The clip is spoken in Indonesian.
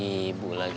sampai jumpa lagi